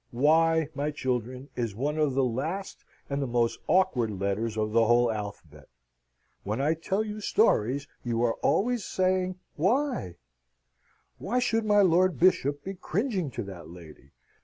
"Y, my children, is one of the last and the most awkward letters of the whole alphabet. When I tell you stories, you are always saying Why. Why should my Lord Bishop be cringing to that lady?